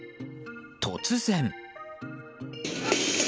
突然。